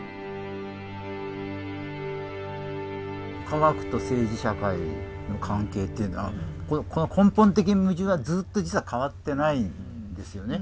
科学と政治社会の関係っていうのはこの根本的矛盾はずっと実は変わってないんですよね。